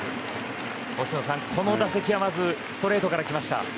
星野さん、この打席はまずストレートからきました。